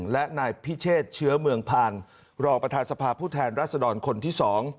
และนายพิเชษเชื้อเมืองผ่านรองประธานสภาพผู้แทนรัศดรคนที่๒